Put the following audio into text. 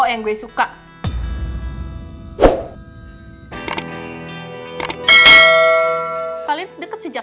ga mungkin sih ya itu ada tiwal